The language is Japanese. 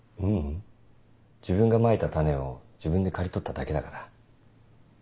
ううん自分がまいた種を自分で刈り取っただけだから。